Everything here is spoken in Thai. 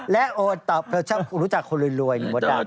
และโอนตอบเธอชอบรู้จักคนรวยหรือว่าดัง